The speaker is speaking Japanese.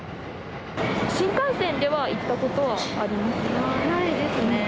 新幹線では行ったことありまないですね。